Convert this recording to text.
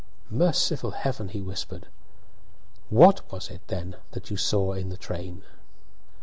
"Merciful Heaven!" he whispered. "_What was it, then, that you saw in the train?